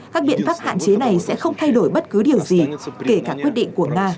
các biện pháp hạn chế này sẽ không thay đổi bất cứ điều gì kể cả quyết định của nga